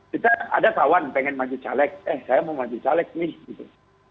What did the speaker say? kita ada kawan pengen maju caleg eh saya mau maju caleg nih gitu